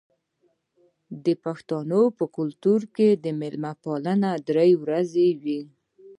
د پښتنو په کلتور کې د میلمه پالنه درې ورځې وي.